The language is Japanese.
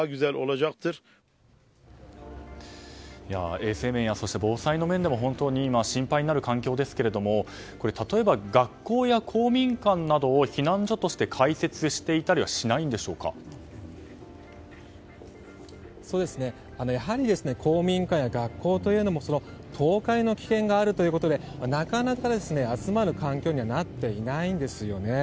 衛生面や防災面でも本当に心配になる環境ですが例えば学校や公民館などを避難所として開設していたりはやはり公民館や学校というのも倒壊の危険があるということでなかなか、そんな環境になってないんです。